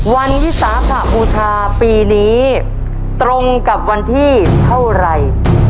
วันที่สามทะพูชาปีนี้ตรงกับวันที่เท่าไหร่